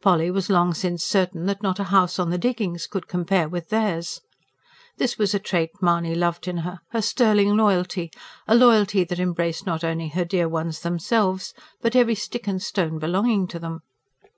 Polly was long since certain that not a house on the diggings could compare with theirs. This was a trait Mahony loved in her her sterling loyalty; a loyalty that embraced not only her dear ones themselves, but every stick and stone belonging to them.